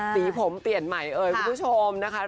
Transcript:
สีผมเปลี่ยนใหม่เอ่ยคุณผู้ชมนะคะ